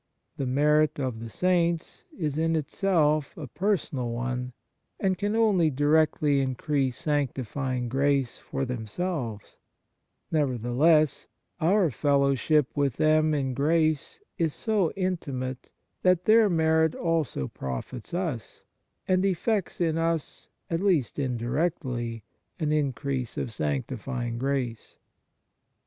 The merit of the Saints is in itself a personal one, and can only directly increase sanctifying grace for themselves; nevertheless our fellowship with them in grace is so intimate that their merit also profits us, and effects in us at least in directly an increase of sanctifying grace.